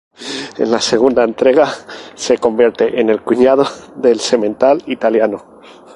En la segunda entrega, se convierte en el cuñado del "Semental Italiano".